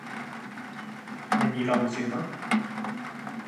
Není vám zima?